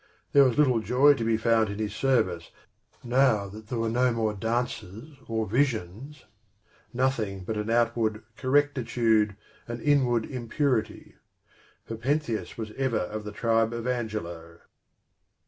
There was little joy to be found in his service now that there were no more dances or visions, nothing but an outward correctitude and inward im purity for Pentheus was ever of the tribe of Angelo.